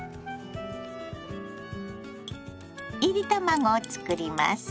いり卵を作ります。